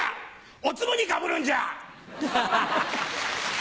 オツムにかぶるんじゃ！